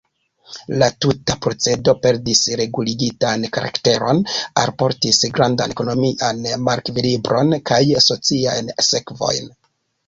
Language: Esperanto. La tuta procedo perdis reguligitan karakteron, alportis grandan ekonomian malekvilibron kaj sociajn sekvojn.